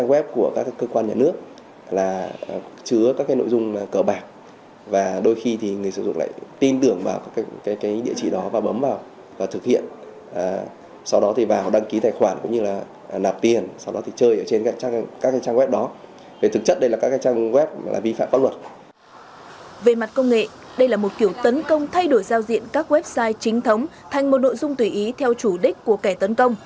về mặt công nghệ đây là một kiểu tấn công thay đổi giao diện các website chính thống thành một nội dung tùy ý theo chủ đích của kẻ tấn công